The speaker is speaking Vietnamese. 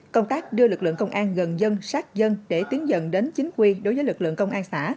công tác đưa lực lượng công an gần dân sát dân để tiến dần đến chính quy đối với lực lượng công an xã